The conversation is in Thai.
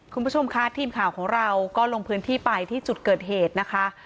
คุณผู้ชมค่ะทีมข่าวของเราก็ลงพื้นที่ไปที่จุดเกิดเหตุนะคะ